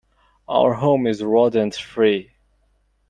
Our home is rodent free.